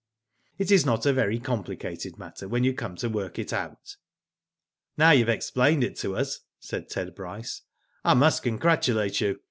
It is not a very complicated matter when you come to work it out." "Now you have explained it to us," said Ted Bryce, '* I must congratulate you.